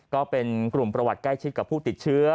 ก็เป็นกลุ่มประวัติใกล้ชิดกับผู้ติดเชื้อ